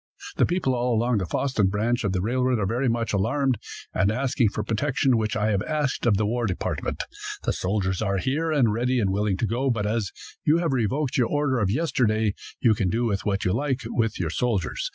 The people all along the Fosston branch of railroad are very much alarmed, and asking for protection, which I have asked of the war department. The soldiers are here, and ready and willing to go, but as you have revoked your order of yesterday, you can do what you like with your soldiers.